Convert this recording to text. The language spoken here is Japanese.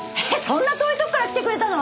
そんな遠いとこから来てくれたの？